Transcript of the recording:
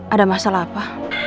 ada masalah apa